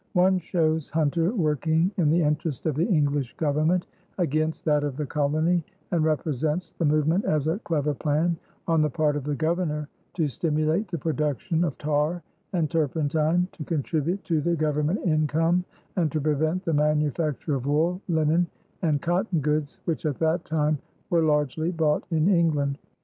One shows Hunter working in the interest of the English Government against that of the colony and represents the movement as a clever plan on the part of the Governor to stimulate the production of tar and turpentine, to contribute to the government income, and to prevent the manufacture of wool, linen, and cotton goods, which at that time were largely bought in England.